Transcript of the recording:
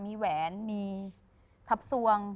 มีแหวนมีทับสวง